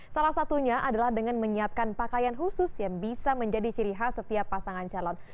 salah satunya adalah dengan menyiapkan pakaian khusus yang bisa menjadi ciri khas setiap pasangan calon